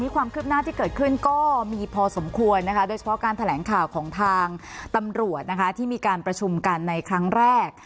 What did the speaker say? ความคืบหน้าที่เกิดขึ้นก็มีพอสมควรนะคะโดยเฉพาะการแถลงข่าวของทางตำรวจที่มีการประชุมกันในครั้งแรก